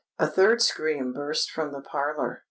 A third scream burst from the parlour.